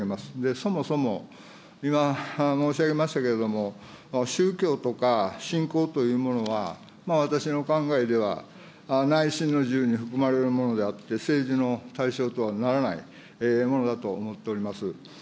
そもそも今申し上げましたけれども、宗教とか信仰というものは、私の考えでは、内心の自由に含まれるものであって、政治の対象とはならないものだと思っております。